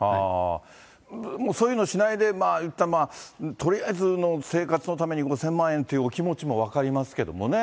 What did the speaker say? もうそういうのをしないで、いったんとりあえずの生活のために５０００万円っていうお気持ちも分かりますけどもね。